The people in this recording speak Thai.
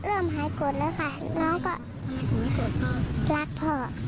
ก็เริ่มหายกรุณแล้วค่ะน้องก็รักพ่อ